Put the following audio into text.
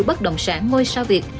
bất động sản ngôi sao việt